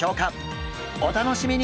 お楽しみに！